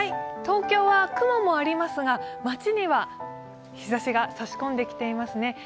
東京は雲もありますが、街には日ざしが差し込んできていますね。